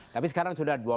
tapi sekarang sudah dua belas